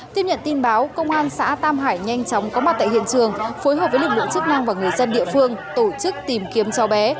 tiếp nhận tin báo công an xã tam hải nhanh chóng có mặt tại hiện trường phối hợp với lực lượng chức năng và người dân địa phương tổ chức tìm kiếm cháu bé